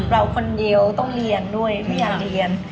เราคนเดียวต้องเรียนด้วยไม่อยากเรียน